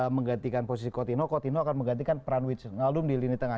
menggantikan posisi coutinho coutinho akan menggantikan pranwitz ngalum di lini tengah